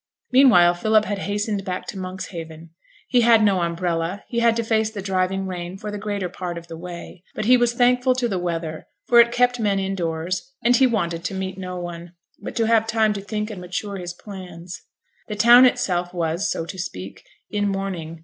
Meanwhile Philip had hastened back to Monkshaven. He had no umbrella, he had to face the driving rain for the greater part of the way; but he was thankful to the weather, for it kept men indoors, and he wanted to meet no one, but to have time to think and mature his plans. The town itself was, so to speak, in mourning.